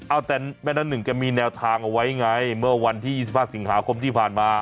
เอาแต่แม่น้ำหนึ่งแกมีแนวทางเอาไว้ไงเมื่อวันที่๒๕สิงหาคมที่ผ่านมา